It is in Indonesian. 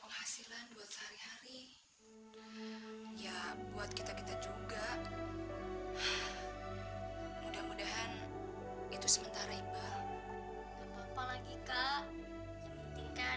hai kata punya penghasilan buat sehari hari ya buat kita kita juga